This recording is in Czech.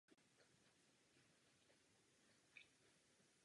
Tedy ke snížení ceny musela mít své důvody.